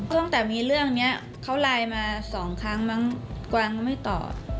ตั้งแต่มีเรื่องนี้เขาไลน์มาสองครั้งมั้งกวางก็ไม่ตอบ